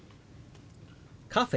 「カフェ」。